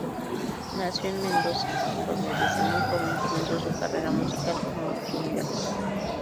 Nació en Mendoza, en donde desde muy joven comenzó su carrera musical como autodidacta.